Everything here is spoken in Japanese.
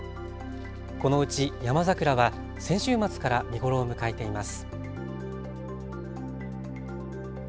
このうちヤマザクラは先週末から見頃を迎えています。